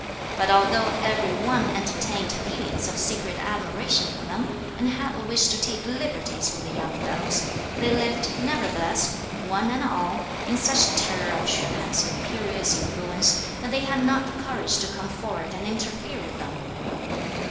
But although every one entertained feelings of secret admiration for them, and had the wish to take liberties with the young fellows, they lived, nevertheless, one and all, in such terror of Hsüeh P'an's imperious influence, that they had not the courage to come forward and interfere with them.